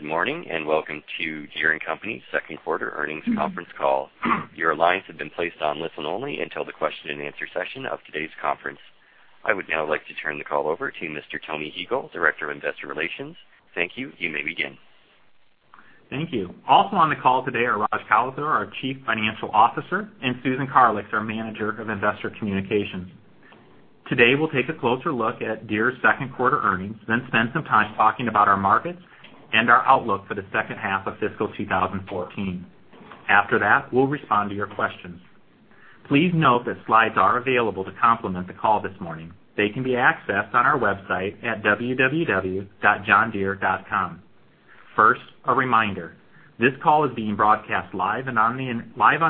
Good morning, welcome to Deere & Company's second quarter earnings conference call. Your lines have been placed on listen only until the question and answer session of today's conference. I would now like to turn the call over to Mr. Tony Huegel, Director of Investor Relations. Thank you. You may begin. Thank you. Also on the call today are Raj Kalathur, our Chief Financial Officer, and Susan Karlix, our Manager of Investor Communications. Today, we'll take a closer look at Deere's second quarter earnings, then spend some time talking about our markets and our outlook for the second half of fiscal 2014. We'll respond to your questions. Please note that slides are available to complement the call this morning. They can be accessed on our website at www.johndeere.com. First, a reminder. This call is being broadcast live on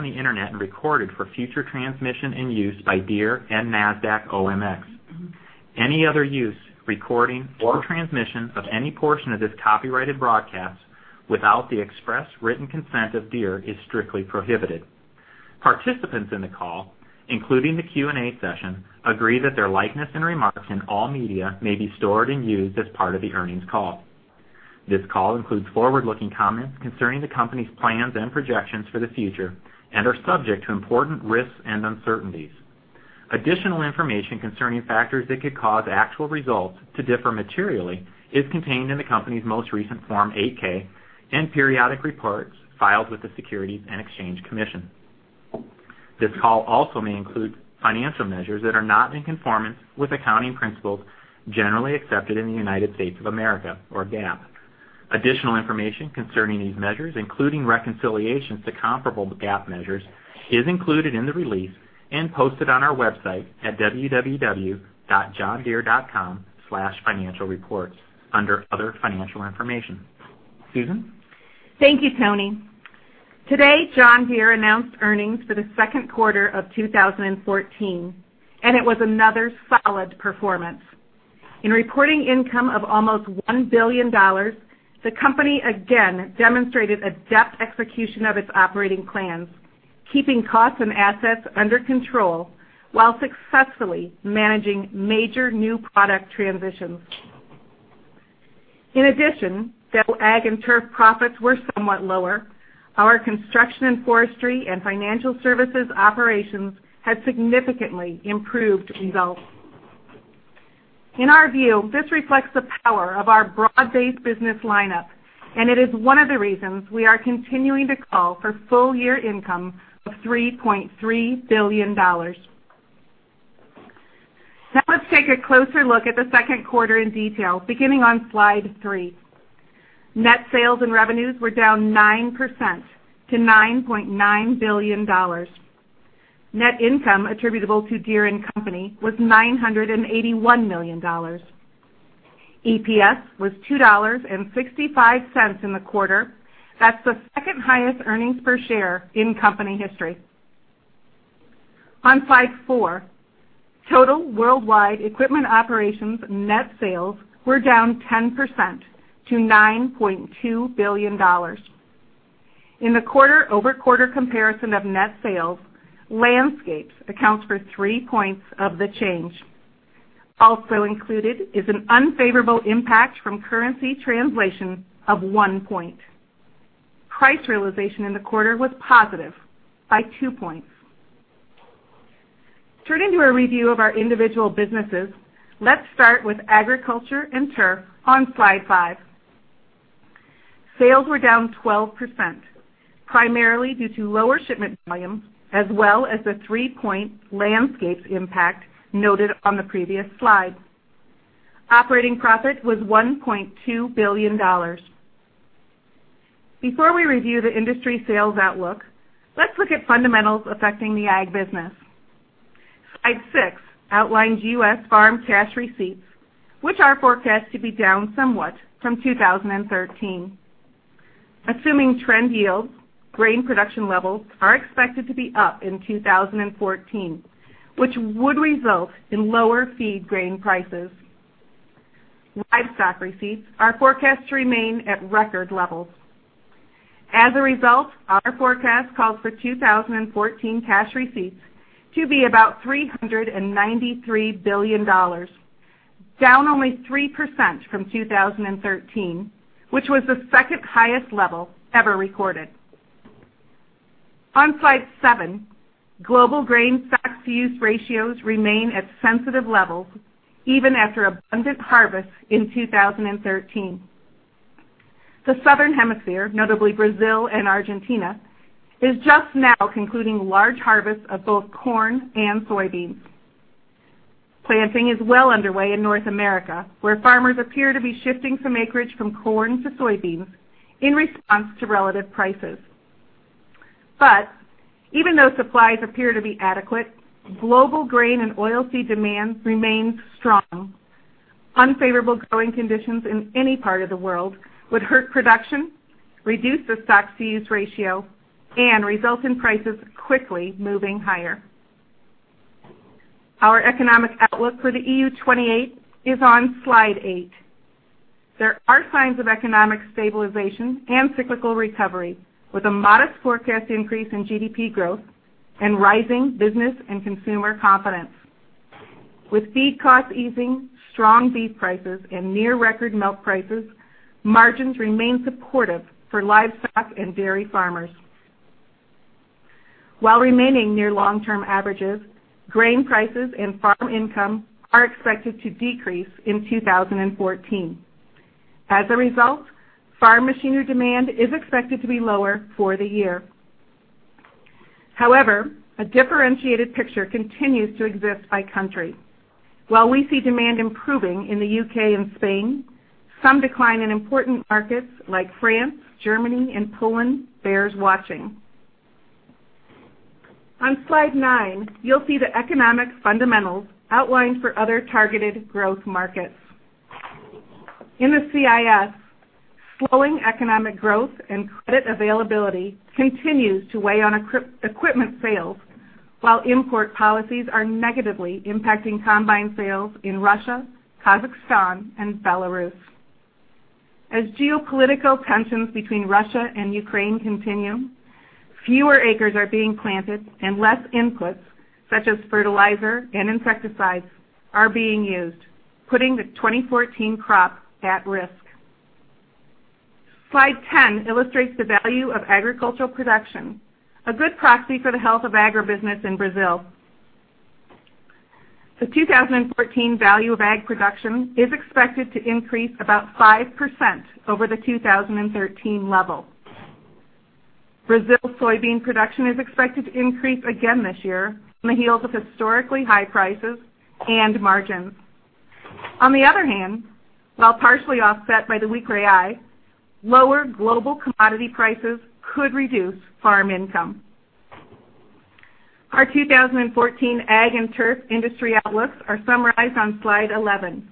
the internet and recorded for future transmission and use by Deere and NASDAQ OMX. Any other use, recording, or transmission of any portion of this copyrighted broadcast without the express written consent of Deere is strictly prohibited. Participants in the call, including the Q&A session, agree that their likeness and remarks in all media may be stored and used as part of the earnings call. This call includes forward-looking comments concerning the company's plans and projections for the future and are subject to important risks and uncertainties. Additional information concerning factors that could cause actual results to differ materially is contained in the company's most recent Form 8-K and periodic reports filed with the Securities and Exchange Commission. This call also may include financial measures that are not in conformance with accounting principles generally accepted in the United States of America, or GAAP. Additional information concerning these measures, including reconciliations to comparable GAAP measures, is included in the release and posted on our website at www.johndeere.com/financialreports under Other Financial Information. Susan? Thank you, Tony. Today, John Deere announced earnings for the second quarter of 2014. It was another solid performance. In reporting income of almost $1 billion, the company again demonstrated adept execution of its operating plans, keeping costs and assets under control while successfully managing major new product transitions. In addition, though Ag & Turf profits were somewhat lower, our Construction & Forestry and Financial Services operations had significantly improved results. In our view, this reflects the power of our broad-based business lineup. It is one of the reasons we are continuing to call for full-year income of $3.3 billion. Let's take a closer look at the second quarter in detail, beginning on slide three. Net sales and revenues were down 9% to $9.9 billion. Net income attributable to Deere & Company was $981 million. EPS was $2.65 in the quarter. That's the second highest earnings per share in company history. On slide four, total worldwide equipment operations net sales were down 10% to $9.2 billion. In the quarter-over-quarter comparison of net sales, Landscapes accounts for three points of the change. Also included is an unfavorable impact from currency translation of one point. Price realization in the quarter was positive by two points. Turning to a review of our individual businesses, let's start with Agriculture and Turf on slide five. Sales were down 12%, primarily due to lower shipment volume as well as the three-point Landscapes impact noted on the previous slide. Operating profit was $1.2 billion. Before we review the industry sales outlook, let's look at fundamentals affecting the Ag business. Slide six outlines U.S. farm cash receipts, which are forecast to be down somewhat from 2013. Assuming trend yields, grain production levels are expected to be up in 2014, which would result in lower feed grain prices. Livestock receipts are forecast to remain at record levels. As a result, our forecast calls for 2014 cash receipts to be about $393 billion, down only 3% from 2013, which was the second highest level ever recorded. On slide seven, global grain stocks-to-use ratios remain at sensitive levels even after abundant harvests in 2013. The Southern Hemisphere, notably Brazil and Argentina, is just now concluding large harvests of both corn and soybeans. Planting is well underway in North America, where farmers appear to be shifting some acreage from corn to soybeans in response to relative prices. Even though supplies appear to be adequate, global grain and oil seed demand remains strong. Unfavorable growing conditions in any part of the world would hurt production, reduce the stocks-to-use ratio, and result in prices quickly moving higher. Our economic outlook for the EU 28 is on slide eight. There are signs of economic stabilization and cyclical recovery, with a modest forecast increase in GDP growth and rising business and consumer confidence. With feed costs easing, strong beef prices, and near-record milk prices, margins remain supportive for livestock and dairy farmers. While remaining near long-term averages, grain prices and farm income are expected to decrease in 2014. As a result, farm machinery demand is expected to be lower for the year. However, a differentiated picture continues to exist by country. While we see demand improving in the U.K. and Spain, some decline in important markets like France, Germany, and Poland bears watching. On slide 9, you'll see the economic fundamentals outlined for other targeted growth markets. In the CIS, slowing economic growth and credit availability continues to weigh on equipment sales, while import policies are negatively impacting combine sales in Russia, Kazakhstan, and Belarus. As geopolitical tensions between Russia and Ukraine continue, fewer acres are being planted and less inputs, such as fertilizer and insecticides, are being used, putting the 2014 crop at risk. Slide 10 illustrates the value of agricultural production, a good proxy for the health of agribusiness in Brazil. The 2014 value of Ag production is expected to increase about 5% over the 2013 level. Brazil's soybean production is expected to increase again this year on the heels of historically high prices and margins. On the other hand, while partially offset by the weak real, lower global commodity prices could reduce farm income. Our 2014 Ag & Turf industry outlooks are summarized on slide 11.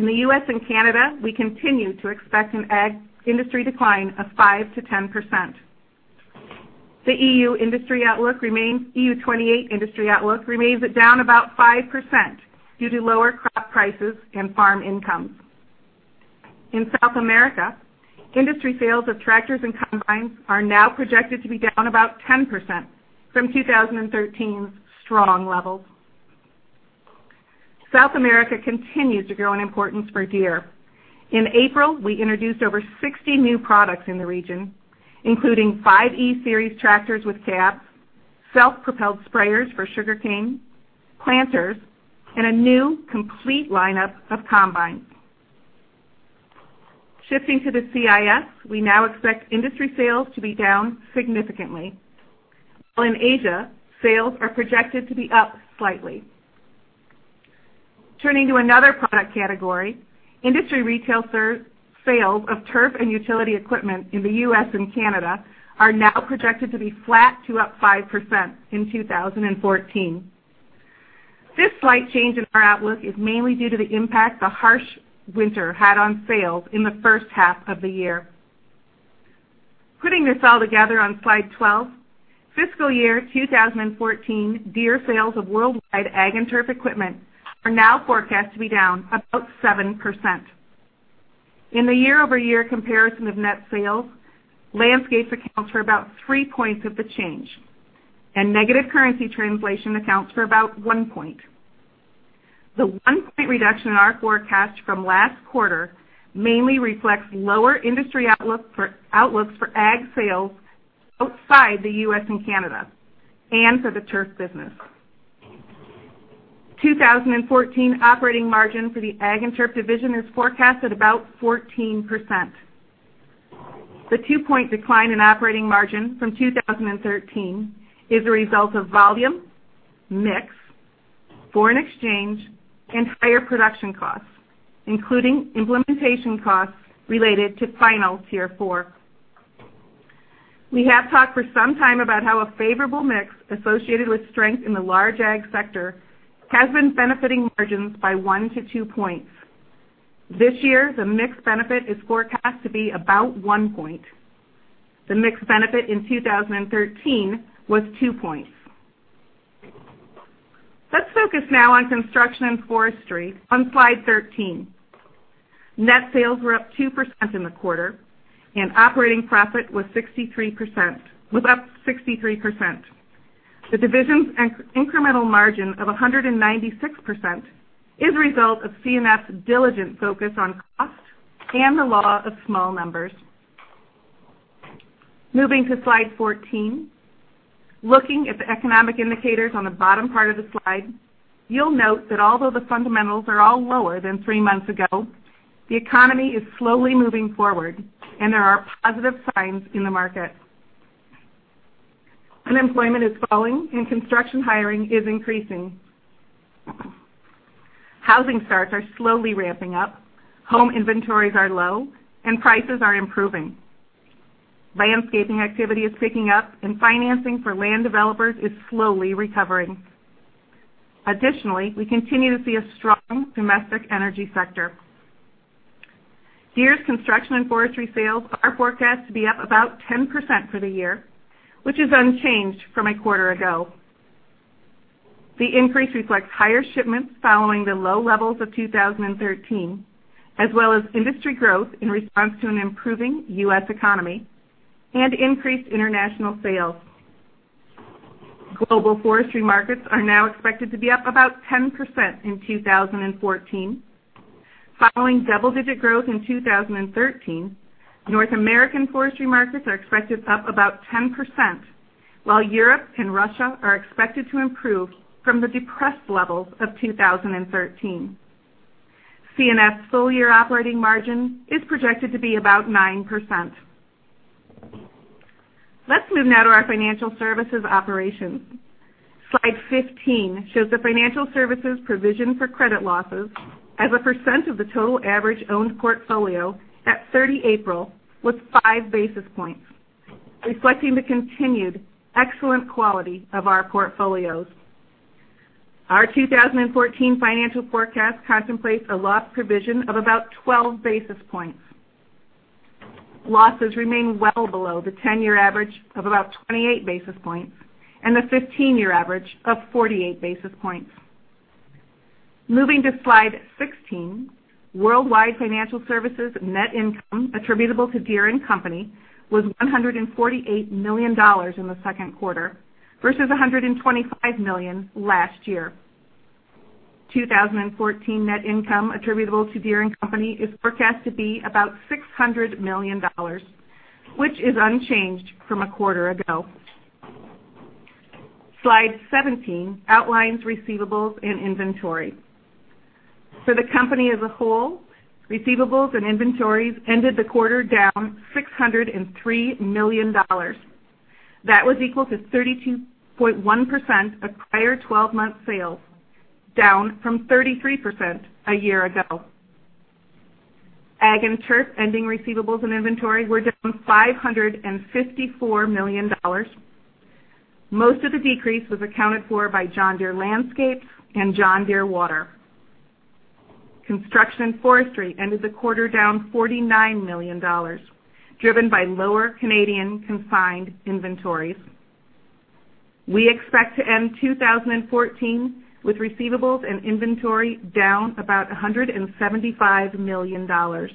In the U.S. and Canada, we continue to expect an Ag industry decline of 5%-10%. The EU28 industry outlook remains down about 5% due to lower crop prices and farm incomes. In South America, industry sales of Tractors and combines are now projected to be down about 10% from 2013's strong levels. South America continues to grow in importance for Deere. In April, we introduced over 60 new products in the region, including 5E Series Tractors with cabs, self-propelled Sprayers for sugarcane, Planters, and a new complete lineup of combines. Shifting to the CIS, we now expect industry sales to be down significantly. In Asia, sales are projected to be up slightly. Turning to another product category, industry retail sales of turf and utility equipment in the U.S. and Canada are now projected to be flat to up 5% in 2014. This slight change in our outlook is mainly due to the impact the harsh winter had on sales in the first half of the year. Putting this all together on slide 12, fiscal year 2014 Deere sales of worldwide Ag & Turf equipment are now forecast to be down about 7%. In the year-over-year comparison of net sales, Landscapes account for about three points of the change. Negative currency translation accounts for about one point. The one-point reduction in our forecast from last quarter mainly reflects lower industry outlooks for Ag sales outside the U.S. and Canada and for the turf business. 2014 operating margin for the Ag & Turf division is forecast at about 14%. The two-point decline in operating margin from 2013 is a result of volume, mix, foreign exchange, and higher production costs, including implementation costs related to final Tier 4. We have talked for some time about how a favorable mix associated with strength in the large Ag sector has been benefiting margins by one to two points. This year, the mix benefit is forecast to be about one point. The mix benefit in 2013 was two points. Let's focus now on Construction & Forestry on slide 13. Net sales were up 2% in the quarter, and operating profit was up 63%. The division's incremental margin of 196% is a result of C&F's diligent focus on cost and the law of small numbers. Moving to slide 14, looking at the economic indicators on the bottom part of the slide, you'll note that although the fundamentals are all lower than three months ago, the economy is slowly moving forward and there are positive signs in the market. Unemployment is falling, and construction hiring is increasing. Housing starts are slowly ramping up, home inventories are low, and prices are improving. Landscaping activity is picking up, and financing for land developers is slowly recovering. Additionally, we continue to see a strong domestic energy sector. Deere's Construction & Forestry sales are forecast to be up about 10% for the year, which is unchanged from a quarter ago. The increase reflects higher shipments following the low levels of 2013, as well as industry growth in response to an improving U.S. economy. Increased international sales. Global forestry markets are now expected to be up about 10% in 2014. Following double-digit growth in 2013, North American forestry markets are expected up about 10%, while Europe and Russia are expected to improve from the depressed levels of 2013. C&F full-year operating margin is projected to be about 9%. Let's move now to our Financial Services operations. Slide 15 shows the Financial Services provision for credit losses as a percent of the total average owned portfolio at April 30, was five basis points, reflecting the continued excellent quality of our portfolios. Our 2014 financial forecast contemplates a loss provision of about 12 basis points. Losses remain well below the 10-year average of about 28 basis points and the 15-year average of 48 basis points. Moving to Slide 16, worldwide Financial Services net income attributable to Deere & Company was $148 million in the second quarter versus $125 million last year. 2014 net income attributable to Deere & Company is forecast to be about $600 million, which is unchanged from a quarter ago. Slide 17 outlines receivables and inventory. For the company as a whole, receivables and inventories ended the quarter down $603 million. That was equal to 32.1% of prior 12 months sales, down from 33% a year ago. Ag & Turf ending receivables and inventory were down $554 million. Most of the decrease was accounted for by John Deere Landscapes and John Deere Water. Construction & Forestry ended the quarter down $49 million, driven by lower Canadian confined inventories. We expect to end 2014 with receivables and inventory down about $175 million. Our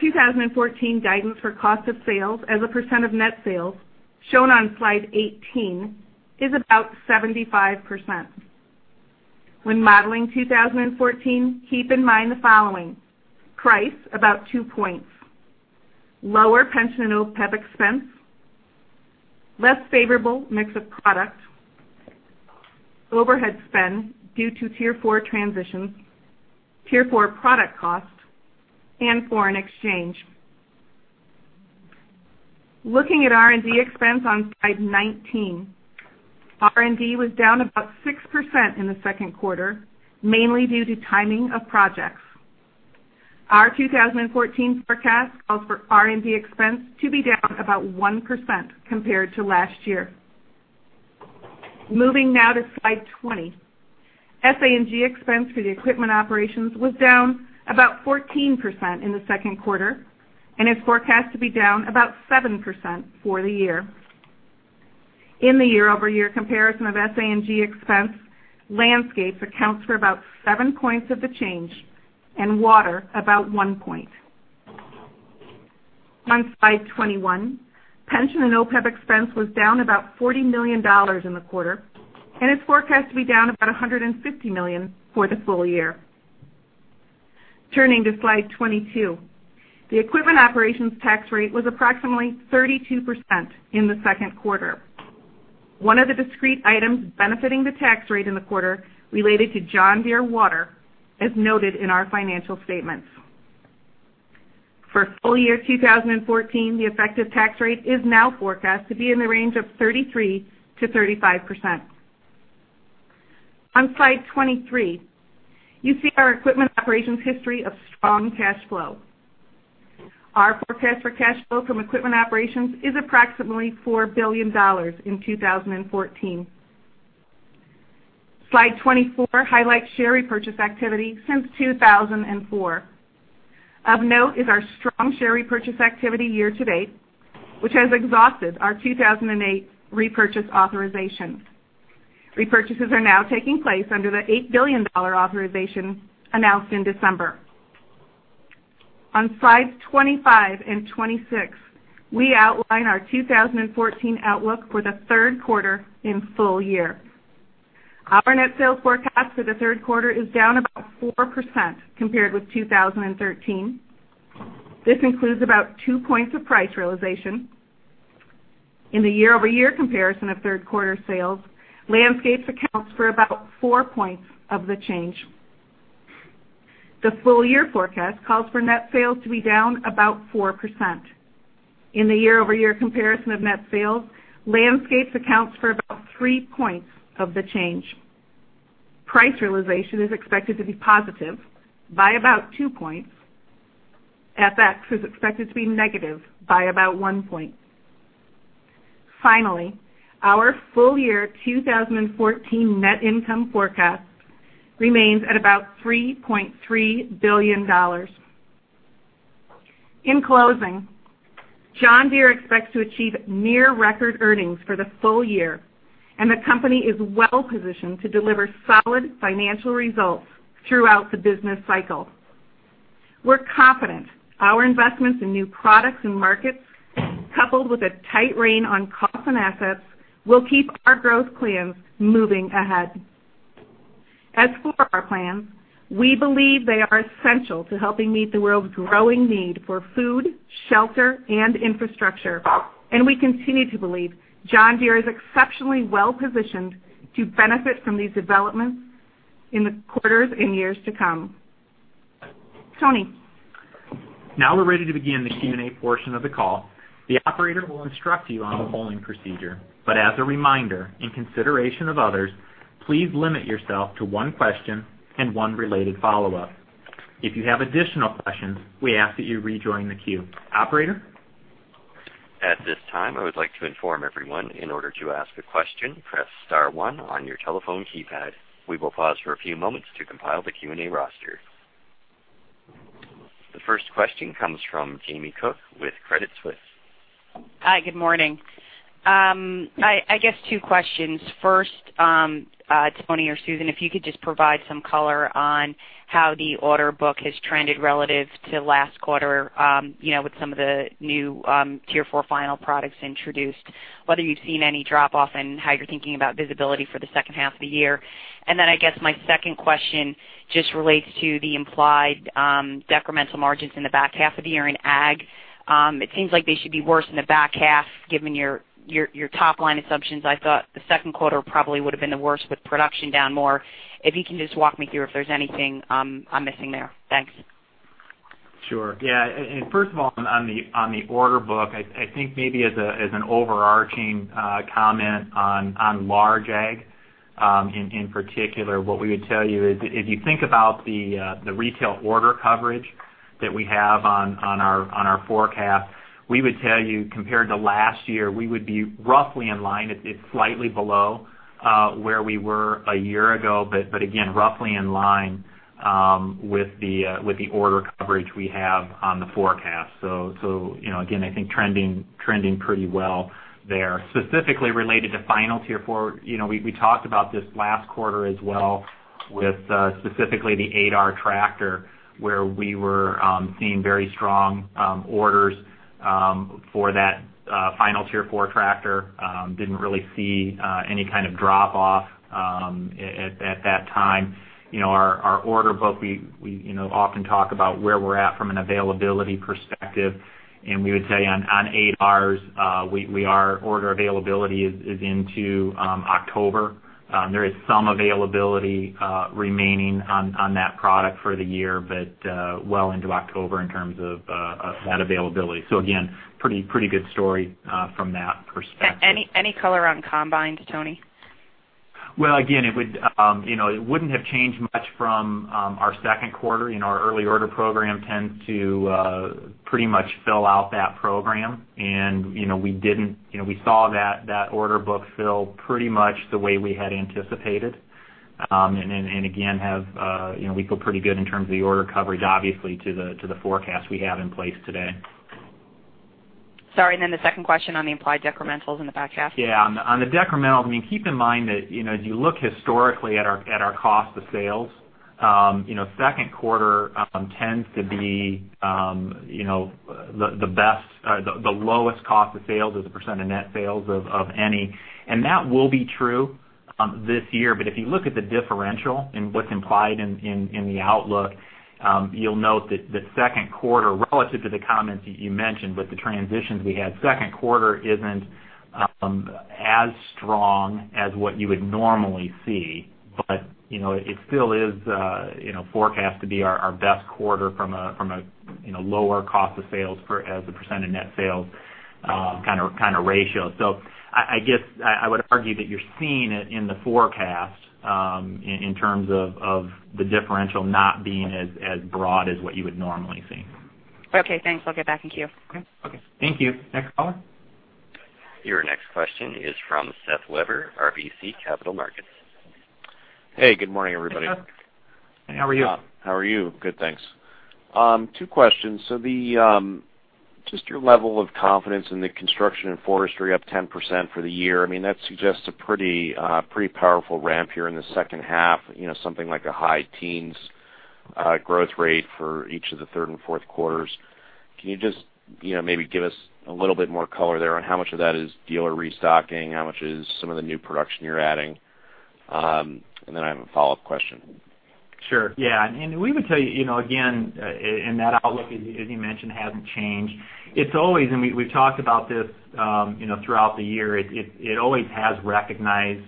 2014 guidance for cost of sales as a percent of net sales, shown on Slide 18, is about 75%. When modeling 2014, keep in mind the following. Price, about two points. Lower pension and OPEB expense, less favorable mix of product, overhead spend due to Tier 4 transitions, Tier 4 product cost, and foreign exchange. Looking at R&D expense on Slide 19. R&D was down about 6% in the second quarter, mainly due to timing of projects. Our 2014 forecast calls for R&D expense to be down about 1% compared to last year. Moving now to Slide 20. SA&G expense for the equipment operations was down about 14% in the second quarter and is forecast to be down about 7% for the year. In the year-over-year comparison of SA&G expense, Landscapes accounts for about seven points of the change, and Water about one point. On Slide 21, pension and OPEB expense was down about $40 million in the quarter, and it's forecast to be down about $150 million for the full year. Turning to Slide 22. The equipment operations tax rate was approximately 32% in the second quarter. One of the discrete items benefiting the tax rate in the quarter related to John Deere Water, as noted in our financial statements. For full year 2014, the effective tax rate is now forecast to be in the range of 33%-35%. On Slide 23, you see our equipment operations history of strong cash flow. Our forecast for cash flow from equipment operations is approximately $4 billion in 2014. Slide 24 highlights share repurchase activity since 2004. Of note is our strong share repurchase activity year to date, which has exhausted our 2008 repurchase authorization. Repurchases are now taking place under the $8 billion authorization announced in December. On Slides 25 and 26, we outline our 2014 outlook for the third quarter in full year. Our net sales forecast for the third quarter is down about 4% compared with 2013. This includes about two points of price realization. In the year-over-year comparison of third quarter sales, Landscapes accounts for about four points of the change. The full-year forecast calls for net sales to be down about 4%. In the year-over-year comparison of net sales, Landscapes accounts for about three points of the change. Price realization is expected to be positive by about two points. FX is expected to be negative by about one point. Finally, our full year 2014 net income forecast remains at about $3.3 billion. In closing John Deere expects to achieve near record earnings for the full year. The company is well-positioned to deliver solid financial results throughout the business cycle. We're confident our investments in new products and markets, coupled with a tight rein on costs and assets, will keep our growth plans moving ahead. As for our plans, we believe they are essential to helping meet the world's growing need for food, shelter, and infrastructure. We continue to believe John Deere is exceptionally well-positioned to benefit from these developments in the quarters and years to come. Tony. Now we're ready to begin the Q&A portion of the call. The operator will instruct you on the polling procedure. As a reminder, in consideration of others, please limit yourself to one question and one related follow-up. If you have additional questions, we ask that you rejoin the queue. Operator? At this time, I would like to inform everyone, in order to ask a question, press *1 on your telephone keypad. We will pause for a few moments to compile the Q&A roster. The first question comes from Jamie Cook with Credit Suisse. Hi, good morning. I guess two questions. First, Tony or Susan, if you could just provide some color on how the order book has trended relative to last quarter with some of the new Tier 4 final products introduced, whether you've seen any drop-off and how you're thinking about visibility for the second half of the year. I guess my second question just relates to the implied decremental margins in the back half of the year in ag. It seems like they should be worse in the back half given your top-line assumptions. I thought the second quarter probably would've been the worst with production down more. If you can just walk me through if there's anything I'm missing there. Thanks. Sure. Yeah. First of all, on the order book, I think maybe as an overarching comment on large ag, in particular, what we would tell you is if you think about the retail order coverage that we have on our forecast, we would tell you, compared to last year, we would be roughly in line. It's slightly below where we were a year ago, but again, roughly in line with the order coverage we have on the forecast. Again, I think trending pretty well there. Specifically related to final Tier 4, we talked about this last quarter as well with specifically the 8R tractor, where we were seeing very strong orders for that final Tier 4 tractor. Didn't really see any kind of drop-off at that time. Our order book, we often talk about where we're at from an availability perspective, and we would tell you on 8Rs, our order availability is into October. There is some availability remaining on that product for the year, but well into October in terms of that availability. Again, pretty good story from that perspective. Any color on Combine, Tony? Again, it wouldn't have changed much from our second quarter. Our early order program tends to pretty much fill out that program, and we saw that order book fill pretty much the way we had anticipated. Again, we feel pretty good in terms of the order coverage, obviously, to the forecast we have in place today. Sorry, then the second question on the implied decrementals in the back half. On the decrementals, keep in mind that as you look historically at our cost of sales, second quarter tends to be the lowest cost of sales as a % of net sales of any. That will be true this year. If you look at the differential and what's implied in the outlook, you'll note that the second quarter, relative to the comments that you mentioned with the transitions we had, second quarter isn't as strong as what you would normally see. It still is forecast to be our best quarter from a lower cost of sales as a % of net sales kind of ratio. I would argue that you're seeing it in the forecast in terms of the differential not being as broad as what you would normally see. Okay, thanks. I'll get back in queue. Okay. Thank you. Next caller? Your next question is from Seth Weber, RBC Capital Markets. Hey, good morning, everybody. Hey, Seth. How are you? How are you? Good, thanks. Two questions. Just your level of confidence in the Construction & Forestry up 10% for the year, that suggests a pretty powerful ramp here in the second half, something like a high teens growth rate for each of the third and fourth quarters. Can you just maybe give us a little bit more color there on how much of that is dealer restocking, how much is some of the new production you're adding? I have a follow-up question. Sure. Yeah. We would tell you again, that outlook, as you mentioned, hasn't changed. We've talked about this throughout the year. It always has recognized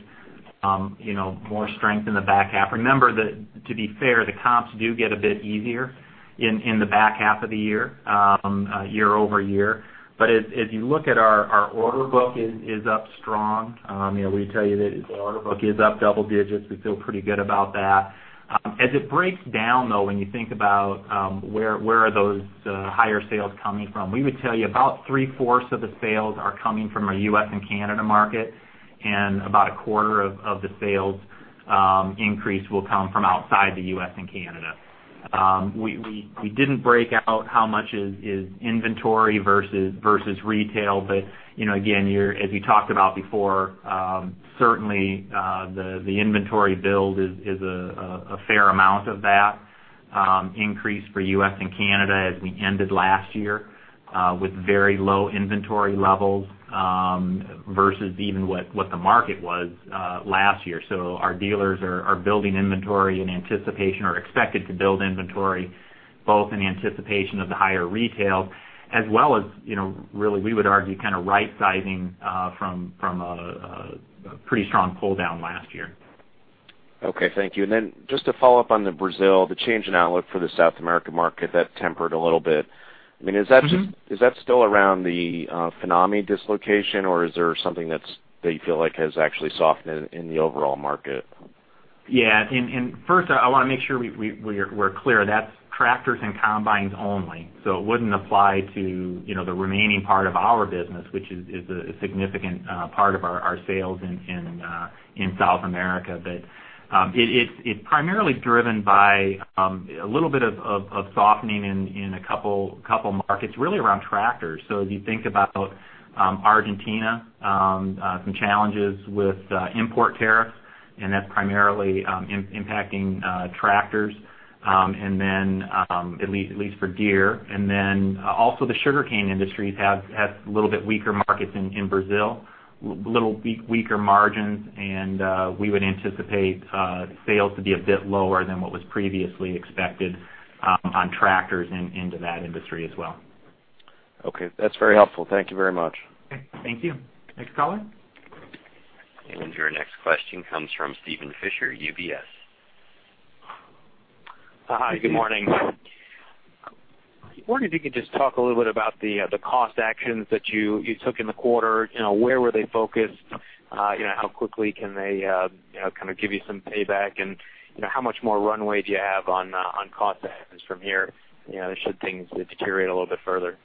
more strength in the back half. Remember that to be fair, the comps do get a bit easier in the back half of the year-over-year. If you look at our order book is up strong. We tell you that the order book is up double digits. We feel pretty good about that. As it breaks down, though, when you think about where are those higher sales coming from, we would tell you about three-fourths of the sales are coming from our U.S. and Canada market, and about a quarter of the sales increase will come from outside the U.S. and Canada. We didn't break out how much is inventory versus retail. Again, as we talked about before, certainly, the inventory build is a fair amount of that increase for U.S. and Canada as we ended last year with very low inventory levels versus even what the market was last year. Our dealers are building inventory in anticipation or are expected to build inventory both in anticipation of the higher retail as well as really, we would argue, kind of right-sizing from a pretty strong pull-down last year. Okay. Thank you. Just to follow up on the Brazil, the change in outlook for the South America market, that tempered a little bit. Is that still around the FINAME dislocation or is there something that you feel like has actually softened in the overall market? Yeah. First, I want to make sure we're clear. That's Tractors and combines only, so it wouldn't apply to the remaining part of our business, which is a significant part of our sales in South America. It's primarily driven by a little bit of softening in a couple markets, really around Tractors. As you think about Argentina, some challenges with import tariffs, and that's primarily impacting Tractors at least for Deere. Also the sugarcane industries had a little bit weaker markets in Brazil, little weaker margins, and we would anticipate sales to be a bit lower than what was previously expected on Tractors into that industry as well. Okay. That's very helpful. Thank you very much. Okay. Thank you. Next caller. Your next question comes from Steven Fisher, UBS. Hi. Good morning. I wonder if you could just talk a little bit about the cost actions that you took in the quarter. Where were they focused? How quickly can they kind of give you some payback and how much more runway do you have on cost actions from here, should things deteriorate a little bit further?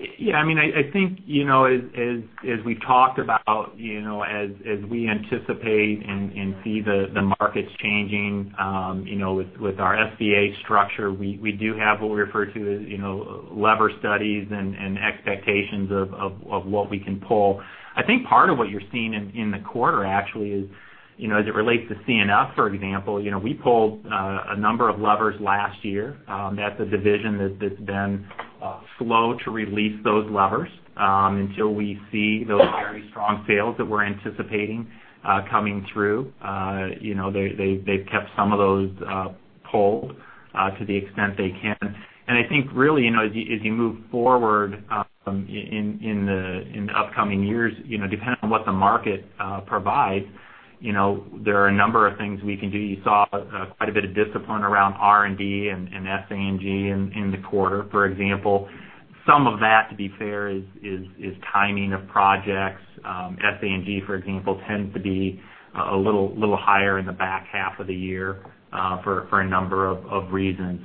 I think as we've talked about, as we anticipate and see the markets changing, with our SVA structure, we do have what we refer to as lever studies and expectations of what we can pull. I think part of what you're seeing in the quarter actually is, as it relates to C&F, for example, we pulled a number of levers last year. That's a division that's been slow to release those levers until we see those very strong sales that we're anticipating coming through. They've kept some of those pulled to the extent they can. I think really, as you move forward in the upcoming years, depending on what the market provides, there are a number of things we can do. You saw quite a bit of discipline around R&D and SA&G in the quarter, for example. Some of that, to be fair, is timing of projects. SA&G, for example, tends to be a little higher in the back half of the year for a number of reasons.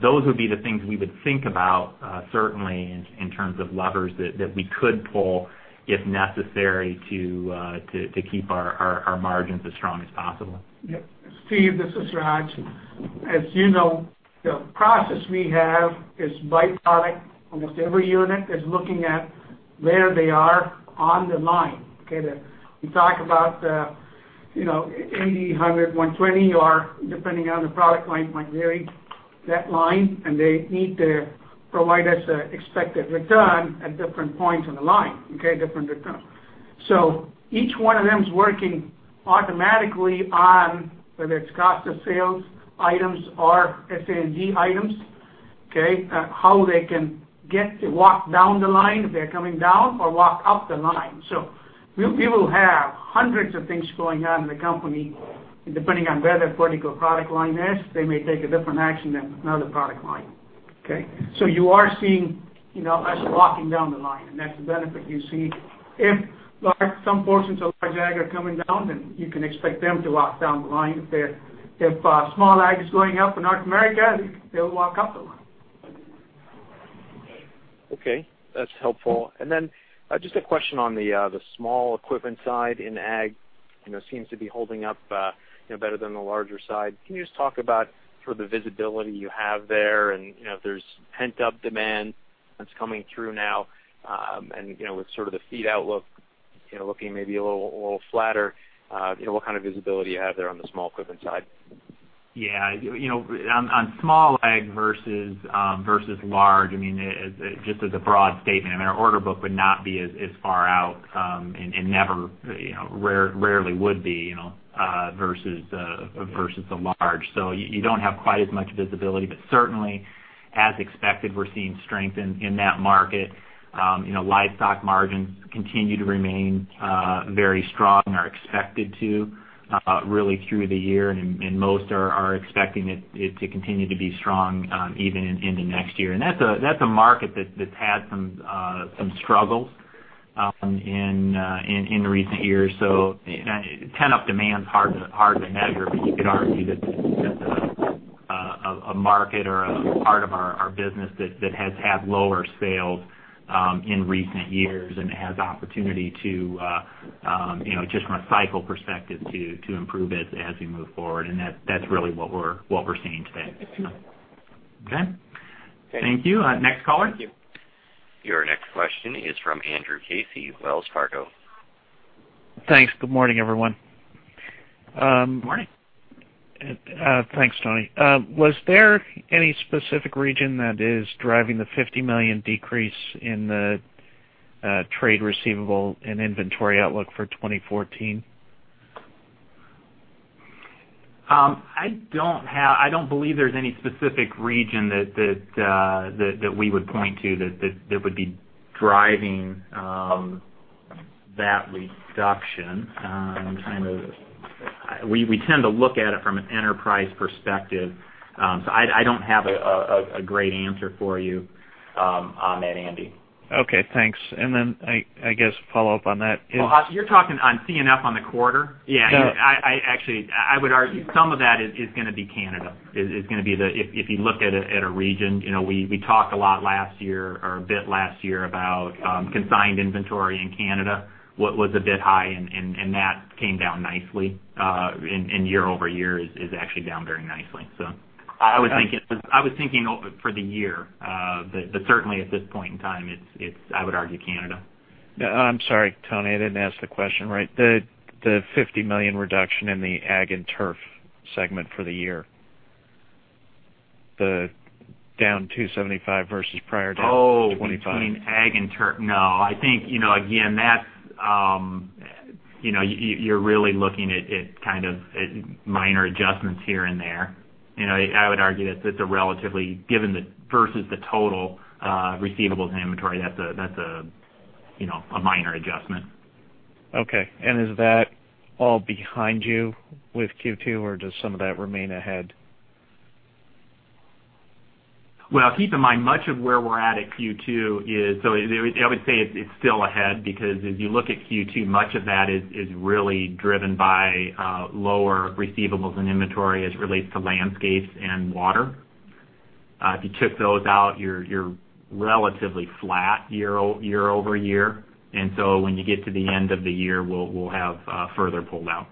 Those would be the things we would think about certainly in terms of levers that we could pull if necessary to keep our margins as strong as possible. Yeah. Steve, this is Raj. As you know, the process we have is by product. Almost every unit is looking at where they are on the line, okay? We talk about 80, 100, 120, or depending on the product line, might vary that line, and they need to provide us an expected return at different points on the line, okay? Different returns. Each one of them is working automatically on whether it's cost of sales items or SA&G items, okay? How they can walk down the line if they're coming down or walk up the line. We will have hundreds of things going on in the company, and depending on where that particular product line is, they may take a different action than another product line, okay? You are seeing us walking down the line, and that's the benefit you see. If some portions of large ag are coming down, you can expect them to walk down the line. If small ag is going up in North America, they'll walk up the line. Okay. That's helpful. Just a question on the small equipment side in ag. Seems to be holding up better than the larger side. Can you just talk about sort of the visibility you have there and if there's pent-up demand that's coming through now, with sort of the feed outlook looking maybe a little flatter, what kind of visibility you have there on the small equipment side? Yeah. On small ag versus large, just as a broad statement, our order book would not be as far out and never, rarely would be versus the large. You don't have quite as much visibility, but certainly, as expected, we're seeing strength in that market. Livestock margins continue to remain very strong and are expected to really through the year, and most are expecting it to continue to be strong even into next year. That's a market that's had some struggles in recent years. Pent-up demand's hard to measure, but you could argue that that's a market or a part of our business that has had lower sales, in recent years and has opportunity to, just from a cycle perspective, to improve it as we move forward. That's really what we're seeing today. Okay? Thank you. Next caller. Your next question is from Andrew Casey, Wells Fargo. Thanks. Good morning, everyone. Morning. Thanks, Tony. Was there any specific region that is driving the $50 million decrease in the trade receivable and inventory outlook for 2014? I don't believe there's any specific region that we would point to that would be driving that reduction. We tend to look at it from an enterprise perspective. I don't have a great answer for you on that, Andy. Okay, thanks. Then I guess follow up on that. Well, you're talking on C&F on the quarter? Yeah. Yeah. I would argue some of that is going to be Canada. If you look at a region, we talked a lot last year or a bit last year about consigned inventory in Canada, what was a bit high, and that came down nicely, and year-over-year is actually down very nicely. I was thinking for the year, but certainly at this point in time, it's I would argue Canada. I'm sorry, Tony, I didn't ask the question right. The $50 million reduction in the Ag & Turf segment for the year. The down $275 versus prior down. Oh 25. Between Ag & Turf. No, I think, again, you're really looking at kind of minor adjustments here and there. I would argue that versus the total receivables and inventory, that's a minor adjustment. Okay. Is that all behind you with Q2 or does some of that remain ahead? Well, keep in mind, much of where we're at at Q2 is, I would say it's still ahead because as you look at Q2, much of that is really driven by lower receivables and inventory as it relates to John Deere Landscapes and John Deere Water. If you took those out, you're relatively flat year-over-year. When you get to the end of the year, we'll have further pull out.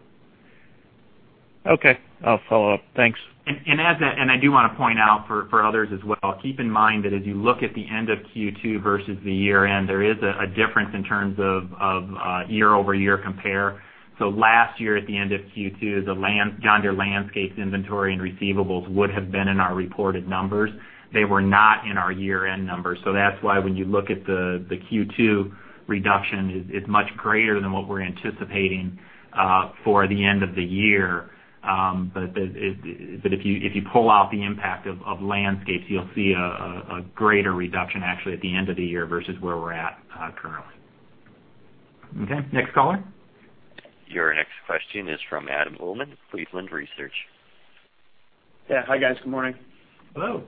Okay. I'll follow up, thanks. I do want to point out for others as well, keep in mind that as you look at the end of Q2 versus the year end, there is a difference in terms of year-over-year compare. Last year at the end of Q2, the John Deere Landscapes inventory and receivables would have been in our reported numbers. They were not in our year end numbers. That's why when you look at the Q2 reduction is much greater than what we're anticipating for the end of the year. If you pull out the impact of Landscapes, you'll see a greater reduction actually at the end of the year versus where we're at currently. Okay, next caller. Your next question is from Adam Holman, Cleveland Research. Yeah. Hi, guys. Good morning. Hello.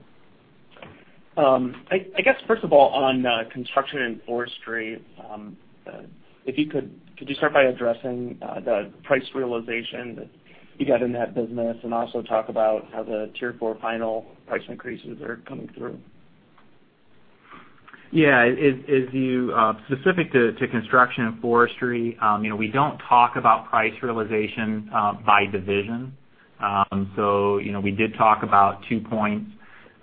I guess first of all, on Construction & Forestry, could you start by addressing the price realization that you got in that business and also talk about how the Tier 4 final price increases are coming through? Yeah. Specific to Construction & Forestry, we don't talk about price realization by division. We did talk about two points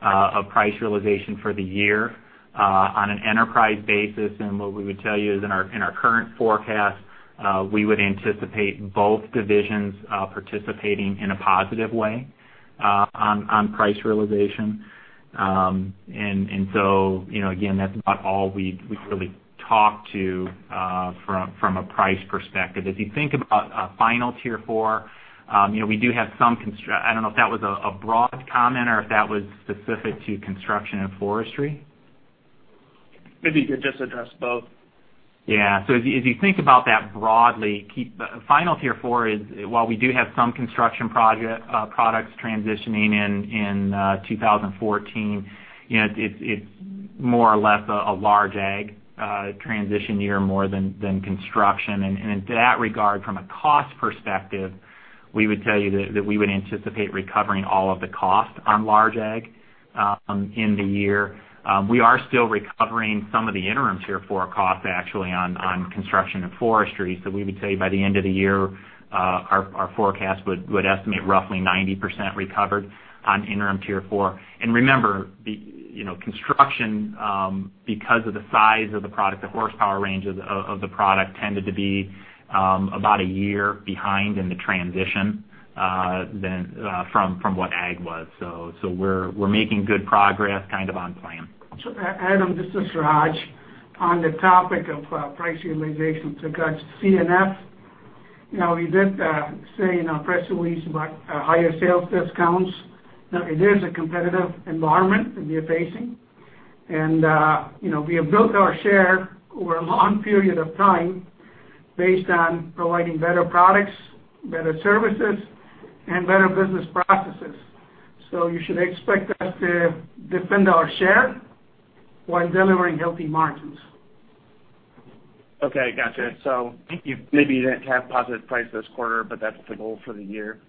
of price realization for the year on an enterprise basis, and what we would tell you is in our current forecast, we would anticipate both divisions participating in a positive way on price realization. Again, that's about all we'd really talk to from a price perspective. As you think about final Tier 4, I don't know if that was a broad comment or if that was specific to Construction & Forestry. If you could just address both. Yeah. As you think about that broadly, final Tier 4 is, while we do have some construction products transitioning in 2014, it's more or less a large Ag transition year more than construction. In that regard, from a cost perspective, we would tell you that we would anticipate recovering all of the cost on large Ag in the year. We are still recovering some of the interim Tier 4 costs actually on Construction & Forestry. We would say by the end of the year, our forecast would estimate roughly 90% recovered on interim Tier 4. Remember, construction, because of the size of the product, the horsepower range of the product tended to be about a year behind in the transition from what Ag was. We're making good progress kind of on plan. Adam, this is Raj. On the topic of price realization regards to C&F, we did say in our press release about higher sales discounts. It is a competitive environment that we are facing. We have built our share over a long period of time based on providing better products, better services, and better business processes. You should expect us to defend our share while delivering healthy margins. Okay. Gotcha. Maybe you didn't have positive price this quarter, but that's the goal for the year.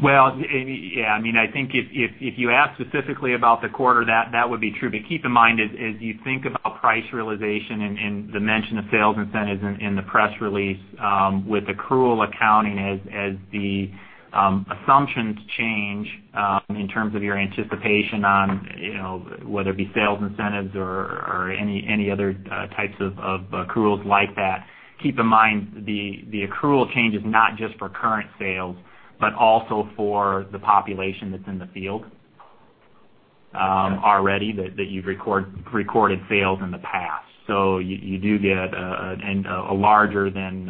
Well, yeah. I think if you ask specifically about the quarter, that would be true. Keep in mind, as you think about price realization and the mention of sales incentives in the press release, with accrual accounting as the assumptions change in terms of your anticipation on whether it be sales incentives or any other types of accruals like that, keep in mind the accrual change is not just for current sales, but also for the population that's in the field already that you've recorded sales in the past. You do get a larger than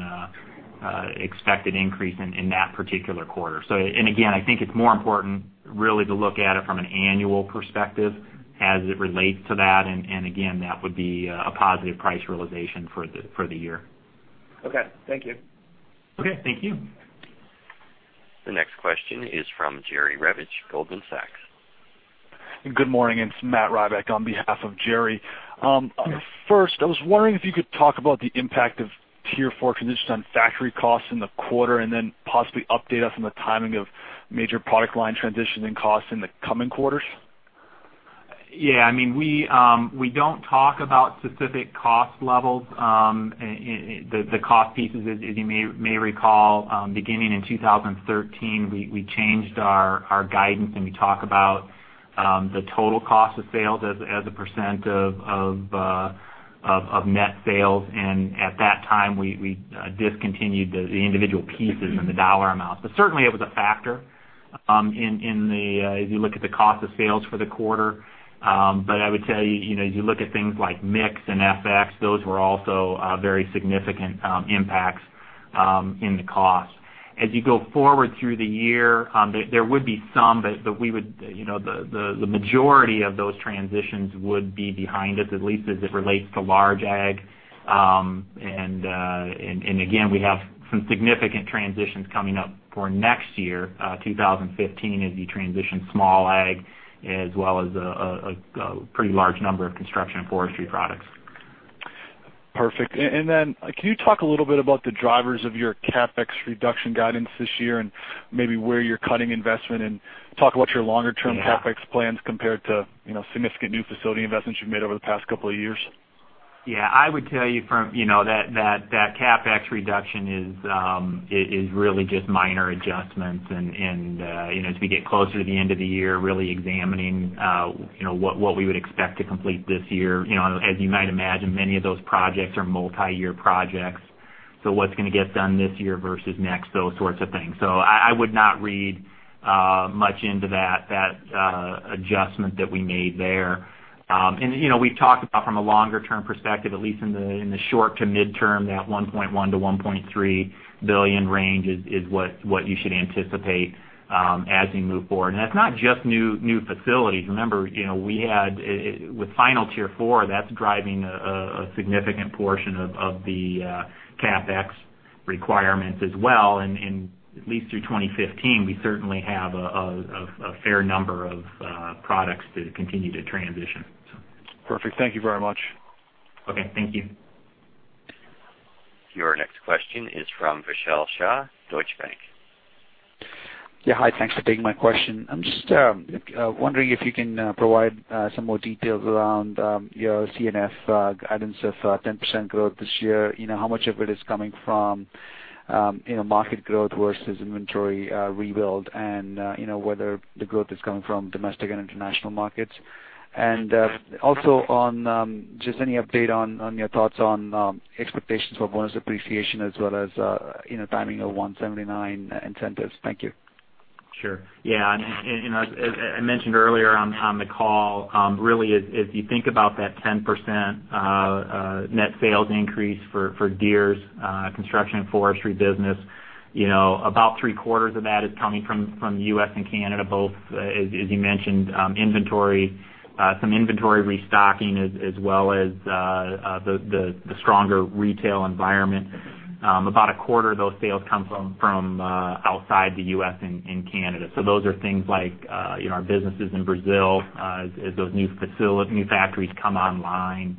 expected increase in that particular quarter. Again, I think it's more important really to look at it from an annual perspective as it relates to that. Again, that would be a positive price realization for the year. Okay. Thank you. Okay. Thank you. The next question is from Jerry Revich, Goldman Sachs. Good morning. It's Matt Rebec on behalf of Jerry. Sure. First, I was wondering if you could talk about the impact of Tier 4 conditions on factory costs in the quarter, and then possibly update us on the timing of major product line transitions and costs in the coming quarters. Yeah. We don't talk about specific cost levels. The cost pieces, as you may recall, beginning in 2013, we changed our guidance, and we talk about the total cost of sales as a percent of net sales. At that time, we discontinued the individual pieces and the dollar amounts. Certainly, it was a factor as you look at the cost of sales for the quarter. I would tell you, as you look at things like mix and FX, those were also very significant impacts in the cost. As you go forward through the year, there would be some, but the majority of those transitions would be behind us, at least as it relates to large ag. Again, we have some significant transitions coming up for next year, 2015, as we transition small ag as well as a pretty large number of construction and forestry products. Perfect. Can you talk a little bit about the drivers of your CapEx reduction guidance this year and maybe where you're cutting investment? Talk about your longer-term CapEx plans compared to significant new facility investments you've made over the past couple of years. Yeah. I would tell you that CapEx reduction is really just minor adjustments. As we get closer to the end of the year, really examining what we would expect to complete this year. As you might imagine, many of those projects are multi-year projects. What's going to get done this year versus next, those sorts of things. I would not read much into that adjustment that we made there. We've talked about from a longer-term perspective, at least in the short to midterm, that $1.1 billion-$1.3 billion range is what you should anticipate as we move forward. That's not just new facilities. Remember, with final Tier 4, that's driving a significant portion of the CapEx requirements as well. At least through 2015, we certainly have a fair number of products to continue to transition. Perfect. Thank you very much. Okay. Thank you. Your next question is from Vishal Shah, Deutsche Bank. Hi. Thanks for taking my question. I'm just wondering if you can provide some more details around your C&F guidance of 10% growth this year. How much of it is coming from market growth versus inventory rebuild, and whether the growth is coming from domestic and international markets? Also, just any update on your thoughts on expectations for bonus depreciation as well as timing of 179 incentives. Thank you. As I mentioned earlier on the call, really, if you think about that 10% net sales increase for Deere's construction and forestry business, about three-quarters of that is coming from U.S. and Canada both. As you mentioned, some inventory restocking as well as the stronger retail environment. About a quarter of those sales come from outside the U.S. and Canada. Those are things like our businesses in Brazil as those new factories come online.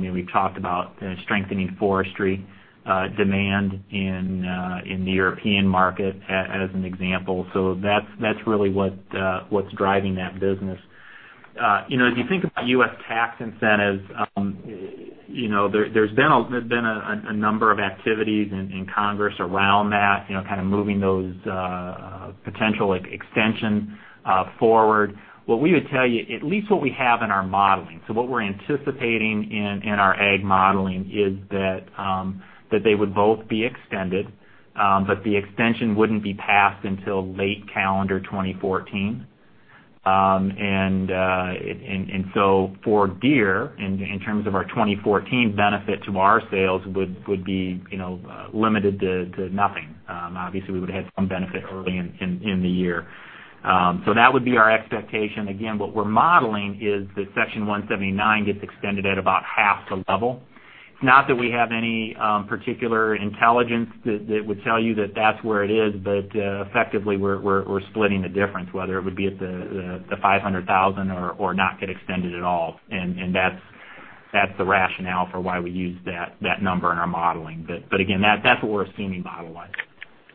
We've talked about strengthening forestry demand in the European market as an example. That's really what's driving that business. If you think about U.S. tax incentives, there's been a number of activities in Congress around that, kind of moving those potential extensions forward. What we would tell you, at least what we have in our modeling, what we're anticipating in our ag modeling is that they would both be extended. The extension wouldn't be passed until late calendar 2014. For Deere, in terms of our 2014 benefit to our sales would be limited to nothing. Obviously, we would have had some benefit early in the year. That would be our expectation. Again, what we're modeling is that Section 179 gets extended at about half the level. It's not that we have any particular intelligence that would tell you that that's where it is, but effectively, we're splitting the difference, whether it would be at the 500,000 or not get extended at all. That's the rationale for why we use that number in our modeling. Again, that's what we're assuming model-wise.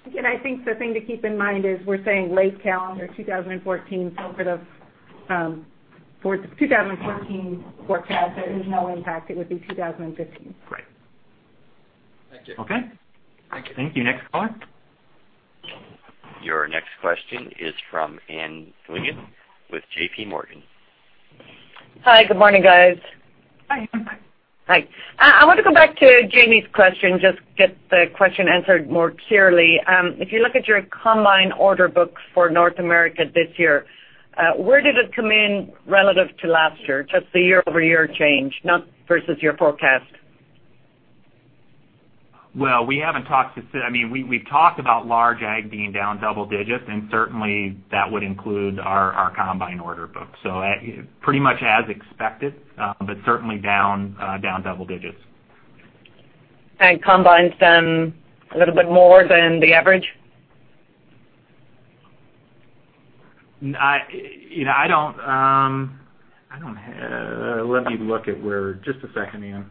Again, I think the thing to keep in mind is we're saying late calendar 2014. For the 2014 forecast, there is no impact. It would be 2015. Right. Thank you. Okay. Thank you. Thank you. Next caller. Your next question is from Ann Duignan with JPMorgan. Hi, good morning, guys. Hi. Hi. I want to go back to Jamie's question, just get the question answered more clearly. If you look at your combine order book for North America this year, where did it come in relative to last year? Just the year-over-year change, not versus your forecast. We've talked about large ag being down double digits, and certainly that would include our combine order book. Pretty much as expected, but certainly down double digits. Combines down a little bit more than the average? Let me look at Just a second, Ann.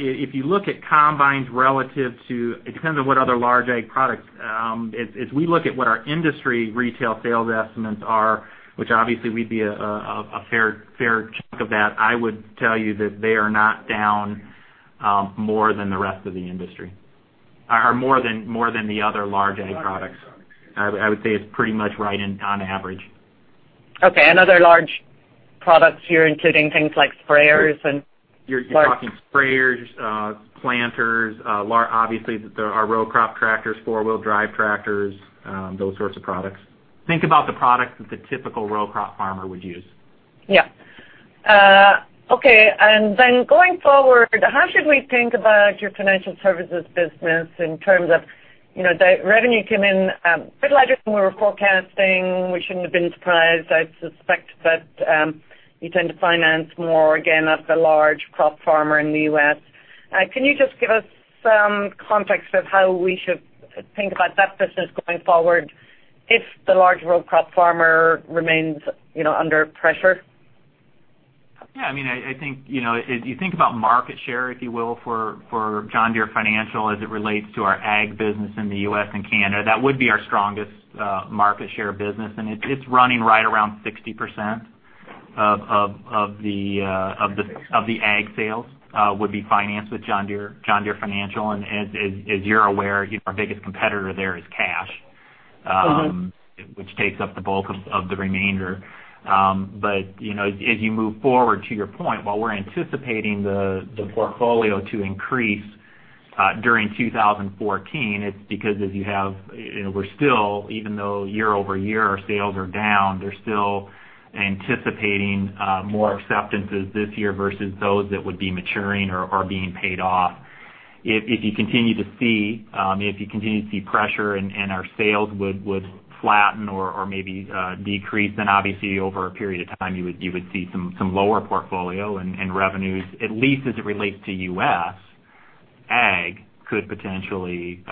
If you look at combines relative to, it depends on what other large ag products. As we look at what our industry retail sales estimates are, which obviously we'd be a fair chunk of that, I would tell you that they are not down more than the rest of the industry. More than the other large ag products. I would say it's pretty much right on average. Okay. Other large products here, including things like Sprayers. You're talking sprayers, planters, obviously there are row crop tractors, four-wheel drive tractors, those sorts of products. Think about the products that the typical row crop farmer would use. Yeah. Okay. Then going forward, how should we think about your Financial Services business in terms of, the revenue came in a bit larger than we were forecasting. We shouldn't have been surprised, I suspect, but you tend to finance more, again, of the large crop farmer in the U.S. Can you just give us some context of how we should think about that business going forward if the large row crop farmer remains under pressure? Yeah. If you think about market share, if you will, for John Deere Financial as it relates to our ag business in the U.S. and Canada, that would be our strongest market share business. It's running right around 60% of the ag sales, would be financed with John Deere Financial. As you're aware, our biggest competitor there is Cash. which takes up the bulk of the remainder. As you move forward, to your point, while we're anticipating the portfolio to increase during 2014, it's because we're still, even though year-over-year our sales are down, they're still anticipating more acceptances this year versus those that would be maturing or are being paid off. If you continue to see pressure and our sales would flatten or maybe decrease, then obviously over a period of time, you would see some lower portfolio and revenues, at least as it relates to U.S., ag could potentially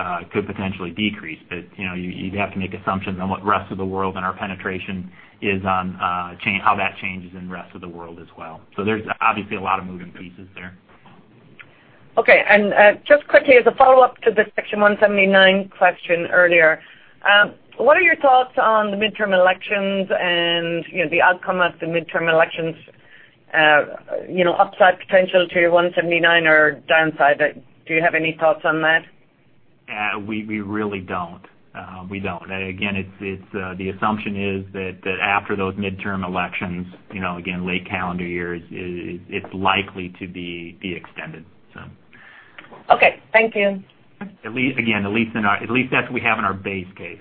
decrease. You'd have to make assumptions on what rest of the world and our penetration is on how that changes in the rest of the world as well. There's obviously a lot of moving pieces there. Okay. Just quickly, as a follow-up to the Section 179 question earlier, what are your thoughts on the midterm elections and the outcome of the midterm elections, upside potential to your 179 or downside? Do you have any thoughts on that? We really don't. We don't. Again, the assumption is that after those midterm elections, again, late calendar year, it's likely to be extended. Okay. Thank you. Again, at least that's what we have in our base case.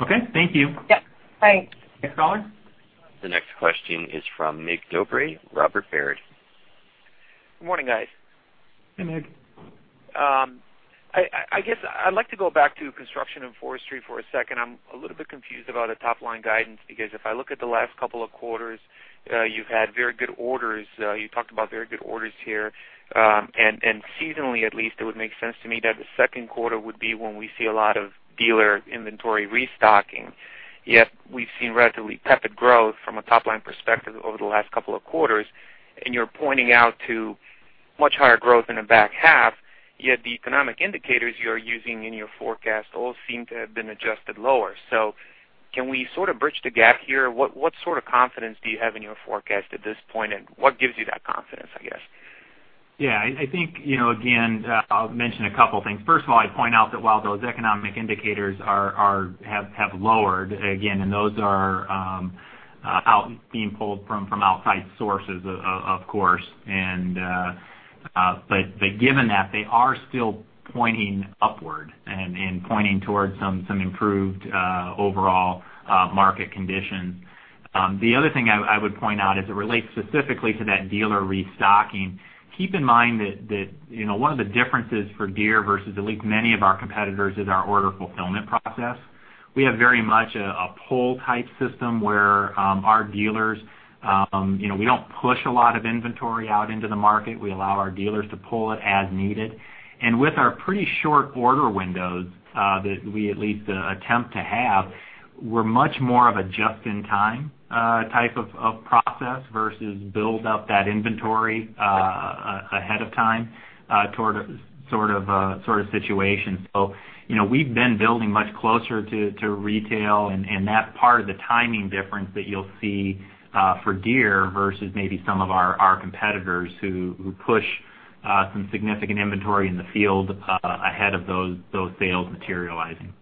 Okay. Thank you. Yep. Bye. Next caller. The next question is from Mircea Dobre, Robert Baird. Good morning, guys. Hey, Mig. I guess I'd like to go back to Construction & Forestry for a second. I'm a little bit confused about the top-line guidance, because if I look at the last couple of quarters, you've had very good orders. You talked about very good orders here. Seasonally at least, it would make sense to me that the second quarter would be when we see a lot of dealer inventory restocking. Yet, we've seen relatively tepid growth from a top-line perspective over the last couple of quarters, and you're pointing out to much higher growth in the back half, yet the economic indicators you're using in your forecast all seem to have been adjusted lower. Can we sort of bridge the gap here? What sort of confidence do you have in your forecast at this point, and what gives you that confidence, I guess? I think, again, I'll mention a couple things. First of all, I'd point out that while those economic indicators have lowered, again, and those are being pulled from outside sources, of course. Given that, they are still pointing upward and pointing towards some improved overall market conditions. The other thing I would point out as it relates specifically to that dealer restocking, keep in mind that one of the differences for Deere versus at least many of our competitors is our order fulfillment process. We have very much a pull-type system. We don't push a lot of inventory out into the market. We allow our dealers to pull it as needed. With our pretty short order windows that we at least attempt to have, we're much more of a just-in-time type of process versus build up that inventory ahead of time sort of situation. We've been building much closer to retail. That part of the timing difference that you'll see for Deere versus maybe some of our competitors who push some significant inventory in the field ahead of those sales materializing.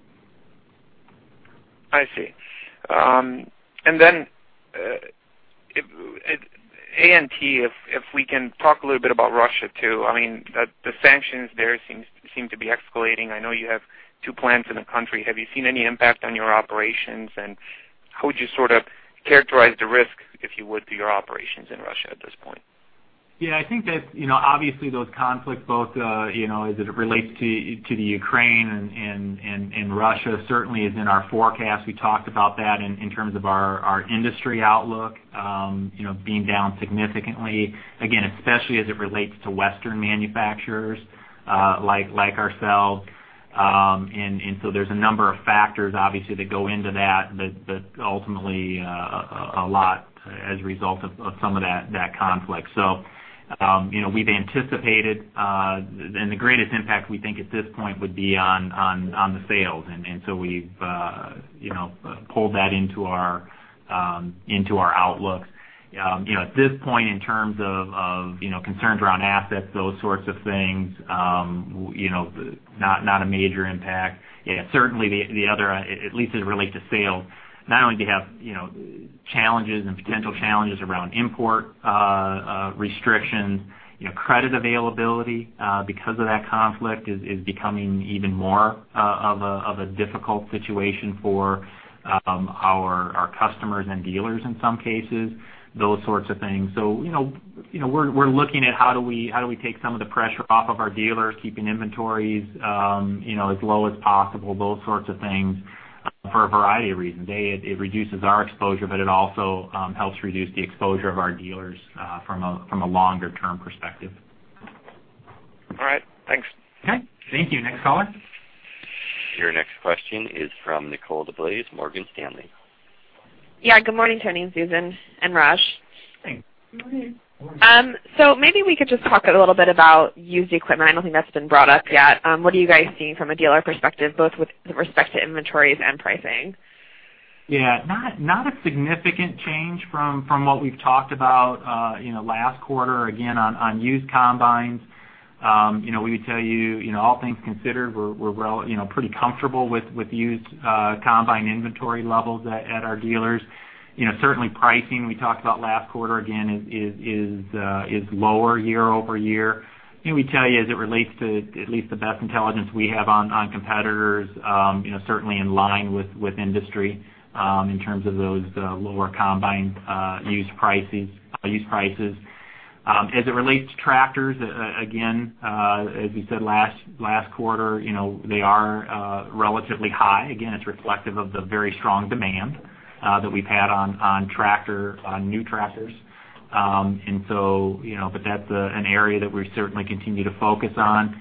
I see. A&T, if we can talk a little bit about Russia, too. The sanctions there seem to be escalating. I know you have two plants in the country. Have you seen any impact on your operations, and how would you characterize the risk, if you would, to your operations in Russia at this point? Yeah, I think that, obviously those conflicts, both as it relates to the Ukraine and Russia certainly is in our forecast. We talked about that in terms of our industry outlook being down significantly, again, especially as it relates to Western manufacturers like ourselves. There's a number of factors, obviously, that go into that ultimately a lot as a result of some of that conflict. We've anticipated and the greatest impact we think at this point would be on the sales. We've pulled that into our outlook. At this point, in terms of concerns around assets, those sorts of things, not a major impact. Certainly, the other, at least as it relates to sales, not only do you have challenges and potential challenges around import restriction, credit availability because of that conflict is becoming even more of a difficult situation for our customers and dealers in some cases, those sorts of things. We're looking at how do we take some of the pressure off of our dealers, keeping inventories as low as possible, those sorts of things, for a variety of reasons. A, it reduces our exposure, but it also helps reduce the exposure of our dealers from a longer-term perspective. All right, thanks. Okay, thank you. Next caller. Your next question is from Nicole DeBlase, Morgan Stanley. Yeah. Good morning, Tony, Susan, and Raj. Hey. Good morning. Maybe we could just talk a little bit about used equipment. I don't think that's been brought up yet. What are you guys seeing from a dealer perspective, both with respect to inventories and pricing? Not a significant change from what we've talked about last quarter, again, on used combines. We would tell you, all things considered, we're pretty comfortable with used combine inventory levels at our dealers. Certainly pricing, we talked about last quarter, again, is lower year-over-year. We'd tell you as it relates to at least the best intelligence we have on competitors certainly in line with industry in terms of those lower combine used prices. As it relates to Tractors, again, as we said last quarter, they are relatively high. Again, it's reflective of the very strong demand that we've had on new Tractors. That's an area that we certainly continue to focus on.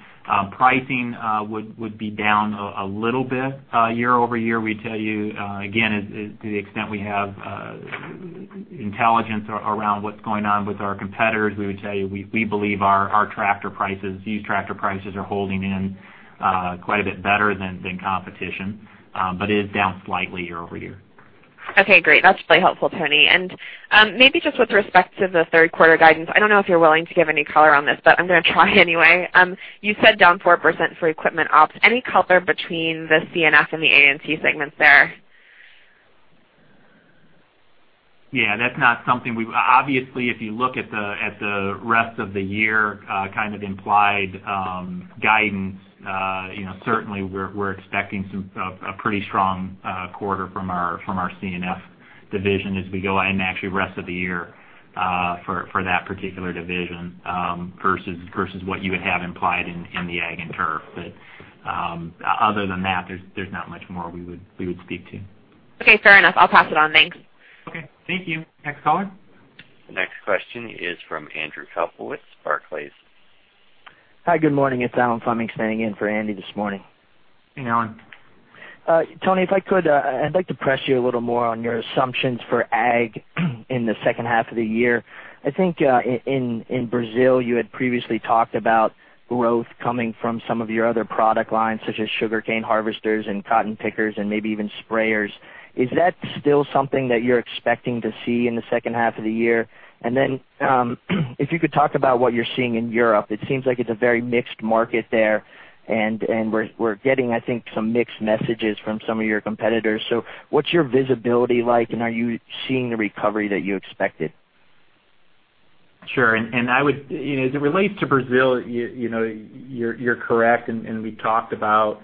Pricing would be down a little bit year-over-year. We'd tell you, again, to the extent we have intelligence around what's going on with our competitors, we would tell you we believe our used Tractor prices are holding in quite a bit better than competition. It is down slightly year-over-year. Okay, great. That's really helpful, Tony. Maybe just with respect to the third quarter guidance, I don't know if you're willing to give any color on this, but I'm gonna try anyway. You said down 4% for equipment ops. Any color between the C&F and the A&T segments there? Yeah, that's not something we obviously, if you look at the rest of the year kind of implied guidance, certainly we're expecting a pretty strong quarter from our C&F division as we go in, actually, rest of the year for that particular division versus what you would have implied in the Ag & Turf. Other than that, there's not much more we would speak to. Okay, fair enough. I'll pass it on. Thanks. Okay, thank you. Next caller. The next question is from Andrew Kaplowitz with Barclays. Hi, good morning. It's Alan Fleming standing in for Andy this morning. Hey, Alan. Tony, if I could, I'd like to press you a little more on your assumptions for Ag in the second half of the year. I think in Brazil, you had previously talked about growth coming from some of your other product lines, such as sugarcane harvesters and cotton pickers and maybe even Sprayers. Then, if you could talk about what you're seeing in Europe. It seems like it's a very mixed market there, and we're getting, I think, some mixed messages from some of your competitors. What's your visibility like, and are you seeing the recovery that you expected? Sure. As it relates to Brazil, you're correct. We talked about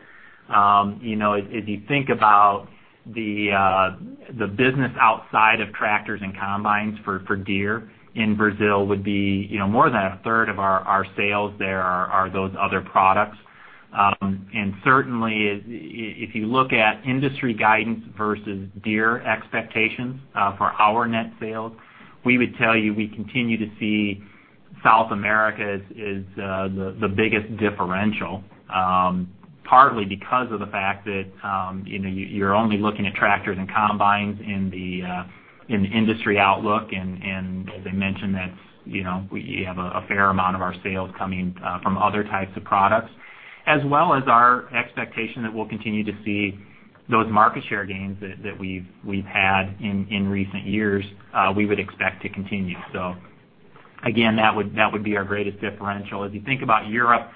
if you think about the business outside of Tractors and combines for Deere in Brazil would be more than a third of our sales there are those other products. Certainly, if you look at industry guidance versus Deere expectations for our net sales, we would tell you we continue to see South America as the biggest differential Partly because of the fact that you're only looking at Tractors and combines in the industry outlook. As I mentioned that we have a fair amount of our sales coming from other types of products, as well as our expectation that we'll continue to see those market share gains that we've had in recent years, we would expect to continue. Again, that would be our greatest differential. As you think about Europe,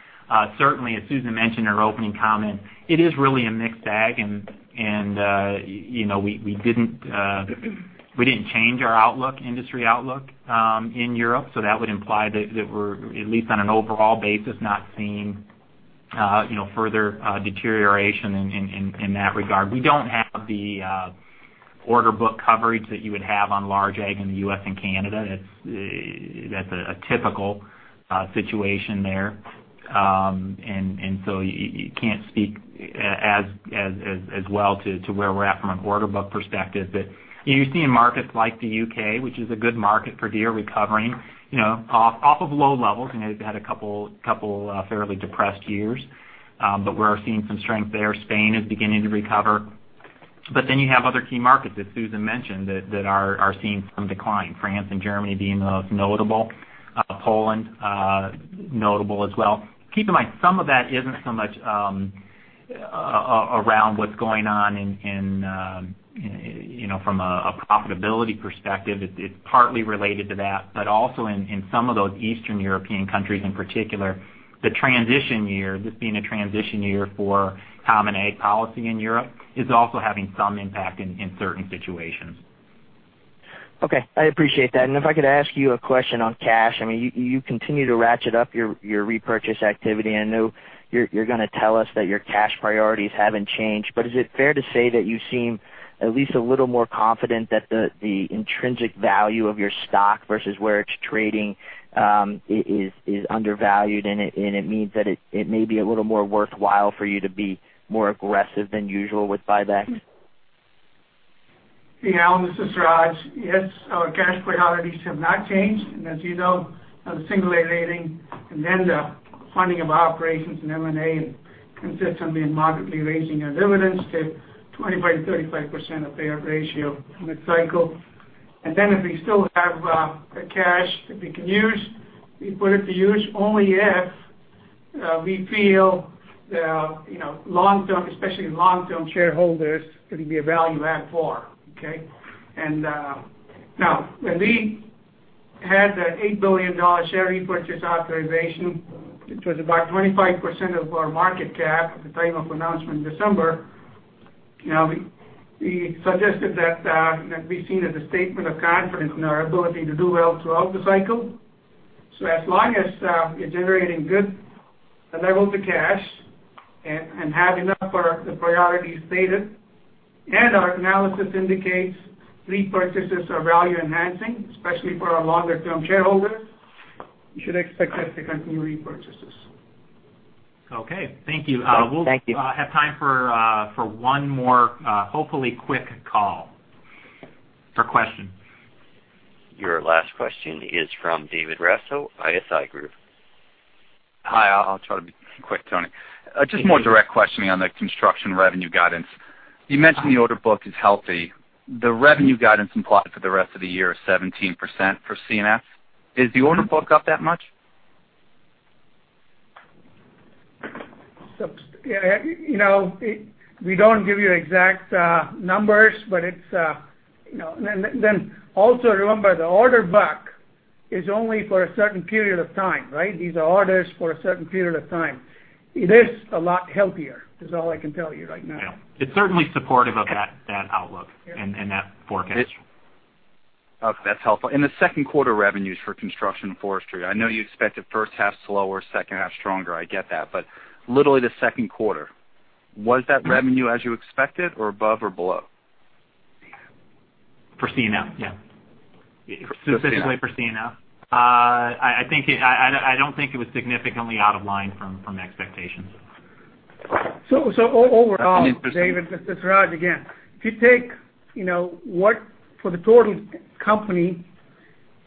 certainly as Susan Karlix mentioned in her opening comment, it is really a mixed bag. We didn't change our industry outlook in Europe. That would imply that we're, at least on an overall basis, not seeing further deterioration in that regard. We don't have the order book coverage that you would have on large ag in the U.S. and Canada. That's a typical situation there. You can't speak as well to where we're at from an order book perspective. You're seeing markets like the U.K., which is a good market for Deere, recovering off of low levels, had a couple fairly depressed years. We are seeing some strength there. Spain is beginning to recover. You have other key markets that Susan Karlix mentioned that are seeing some decline. France and Germany being the most notable. Poland notable as well. Keep in mind, some of that isn't so much around what's going on from a profitability perspective. It's partly related to that, also in some of those Eastern European countries in particular, this being a transition year for Common Agricultural Policy in Europe is also having some impact in certain situations. Okay. I appreciate that. If I could ask you a question on cash. You continue to ratchet up your repurchase activity. I know you're going to tell us that your cash priorities haven't changed, is it fair to say that you seem at least a little more confident that the intrinsic value of your stock versus where it's trading is undervalued and it means that it may be a little more worthwhile for you to be more aggressive than usual with buybacks? Hey, Alan. This is Raj. Yes, our cash priorities have not changed. As you know, on the single A rating, then the funding of operations and M&A, and consistently and moderately raising our dividends to 25%-35% of payout ratio in the cycle. If we still have the cash that we can use, we put it to use only if we feel, especially long-term shareholders, it'll be a value add for. Okay? Now, when we had that $8 billion share repurchase authorization, which was about 25% of our market cap at the time of announcement in December. We suggested that be seen as a statement of confidence in our ability to do well throughout the cycle. As long as we're generating good levels of cash and have enough for the priorities stated, and our analysis indicates repurchases are value enhancing, especially for our longer-term shareholders, you should expect us to continue repurchases. Okay. Thank you. Thank you. We'll have time for one more, hopefully quick caller question. Your last question is from David Raso, ISI Group. Hi, I'll try to be quick, Tony. Just more direct questioning on the construction revenue guidance. You mentioned the order book is healthy. The revenue guidance implied for the rest of the year is 17% for C&F. Is the order book up that much? We don't give you exact numbers. Also remember the order book is only for a certain period of time, right? These are orders for a certain period of time. It is a lot healthier, is all I can tell you right now. It's certainly supportive of that outlook and that forecast. Okay, that's helpful. The second quarter revenues for Construction & Forestry, I know you expected first half slower, second half stronger, I get that. Literally the second quarter, was that revenue as you expected or above or below? For C&F? Yeah. For C&F. Specifically for C&F. I don't think it was significantly out of line from expectations. Overall. Interesting. David, this is Raj again. For the total company,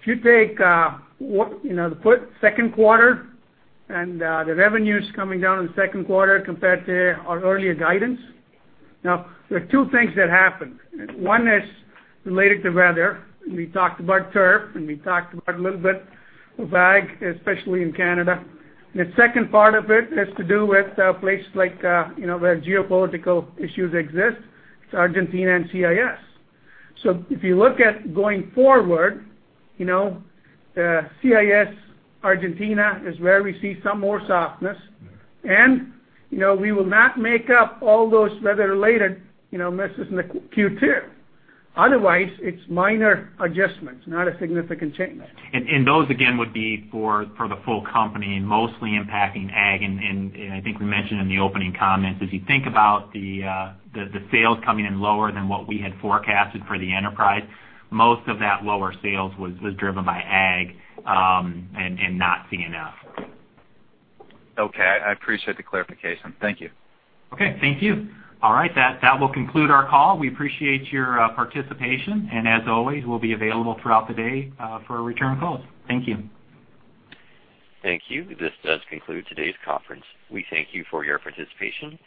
if you take the second quarter and the revenues coming down in the second quarter compared to our earlier guidance. There are two things that happened. One is related to weather. We talked about turf, and we talked about a little bit of ag, especially in Canada. The second part of it is to do with places where geopolitical issues exist. It is Argentina and CIS. If you look at going forward CIS, Argentina is where we see some more softness and we will not make up all those weather-related misses in the Q2. Otherwise, it is minor adjustments, not a significant change. Those again, would be for the full company, mostly impacting ag. I think we mentioned in the opening comments, if you think about the sales coming in lower than what we had forecasted for the enterprise, most of that lower sales was driven by ag and not C&F. Okay. I appreciate the clarification. Thank you. Okay. Thank you. All right. That will conclude our call. We appreciate your participation, and as always, we'll be available throughout the day for return calls. Thank you. Thank you. This does conclude today's conference. We thank you for your participation.